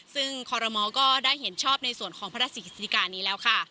ซึ่งคอรมอลก็ได้เห็นชอบในส่วนของพระราชกฤษฎิกานี้แล้วค่ะ